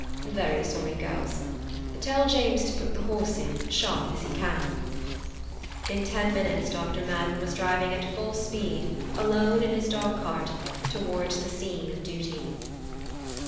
"Very sorry, girls. Tell James to put the horse in, sharp as he can." In ten minutes Dr. Madden was driving at full speed, alone in his dog cart, towards the scene of duty.